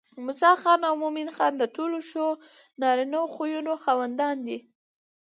موسى خان او مومن خان د ټولو ښو نارينه خويونو خاوندان دي